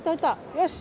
よし！